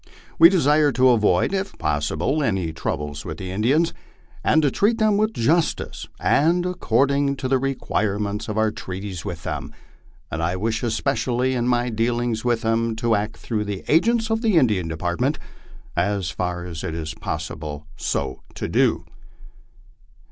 We desire to avoid if possible any troubles with the In dians, and to treat them with justice, and according to the requirements of our treaties with them ; and I wish especially in my dealings with them to act through the agents of the Indian Department as far as it is possible so to do.